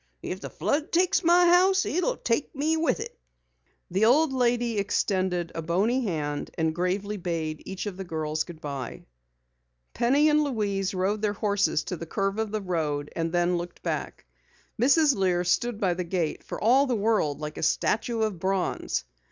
If the flood takes my house it'll take me with it!" The old lady extended a bony hand and gravely bade each of the girls goodbye. Penny and Louise rode their horses to the curve of the road and then looked back. Mrs. Lear stood by the gate for all the world like a statue of bronze.